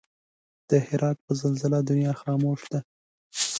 د هرات په زلزله دنيا خاموش ده